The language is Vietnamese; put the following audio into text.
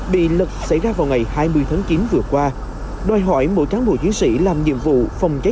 bị lật xảy ra vào ngày hai mươi tháng chín vừa qua đòi hỏi mỗi cán bộ chiến sĩ làm nhiệm vụ phòng cháy